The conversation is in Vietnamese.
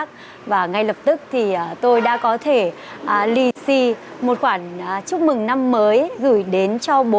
rồi bố chào con